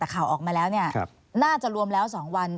แต่ข่าวออกมาแล้วน่าจะรวมแล้ว๒วัน